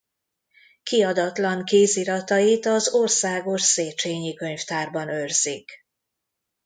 Kiadatlan kéziratait az Országos Széchényi Könyvtárban őrzik.